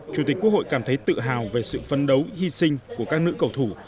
chủ tịch quốc hội cảm thấy tự hào về sự phấn đấu hy sinh của các nữ cầu thủ